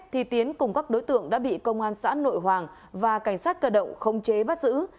thì tiến cùng các đối tượng đã bị công an xã nội hoàng và cảnh sát cơ động khống chế bắt giữ